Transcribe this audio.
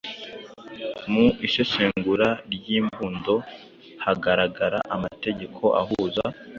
Mu isesengura ry’imbundo, hagaragara amategeko ahuza